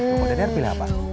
maksudnya pilih apa